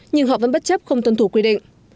nhưng họ vẫn bất chấp không tuân thủ quy định